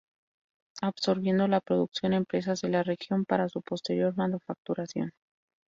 Absorbiendo la producción empresas de la región, para su posterior manufacturación.